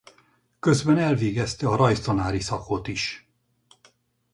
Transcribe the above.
Közben elvégezte a rajztanári szakot is.